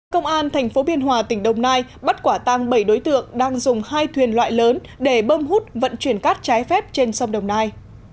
công an tp biên hòa tỉnh đồng nai bắt quả tăng bảy đối tượng đang dùng hai thuyền loại lớn để bơm hút vận chuyển cát trái phép trên sông đồng nai